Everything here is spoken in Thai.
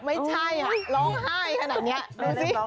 ไม่ใช่ล้องไห้ขนาดนี้